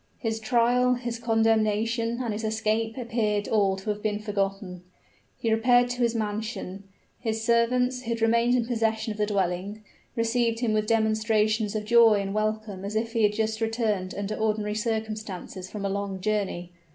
His trial, his condemnation, and his escape appeared all to have been forgotten. He repaired to his mansion; his servants, who had remained in possession of the dwelling, received him with demonstrations of joy and welcome as if he had just returned under ordinary circumstances from a long journey.